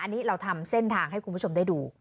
อันนี้เราทำเส้นทางให้คุณผู้ชมได้ดู